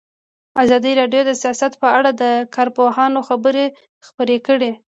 ازادي راډیو د سیاست په اړه د کارپوهانو خبرې خپرې کړي.